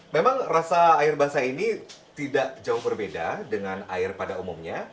memang rasa air basah ini tidak jauh berbeda dengan air pada umumnya